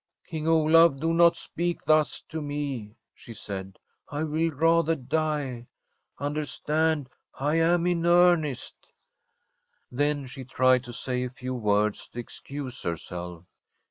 * King Olaf, do not speak thus to me,* she said; 'I will rather die. Understand, I am in earnest.' Then she tried to say a few words to excuse herself.